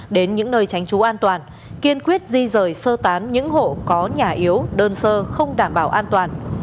đến những nơi tránh trú an toàn kiên quyết di rời sơ tán những hộ có nhà yếu đơn sơ không đảm bảo an toàn